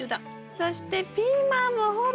そしてピーマンもほら！